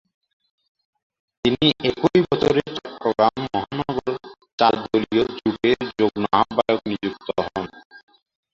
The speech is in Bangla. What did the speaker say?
তিনি একই বছরে চট্টগ্রাম মহানগর চার দলীয় জোটের যুগ্ম আহবায়ক নিযুক্ত হন।